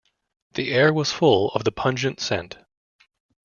The air was full of the pungent scent.